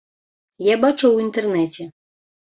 Я бачыў у інтэрнэце.